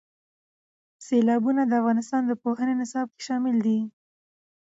سیلابونه د افغانستان د پوهنې نصاب کې شامل دي.